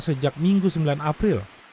sejak minggu sembilan april